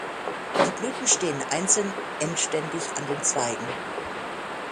Die Blüten stehen einzeln endständig an den Zweigen.